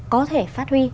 có thể phát huy